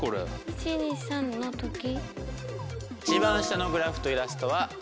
１２３のとき？